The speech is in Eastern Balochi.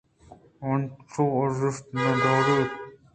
اینچو ارزشت نہ داریت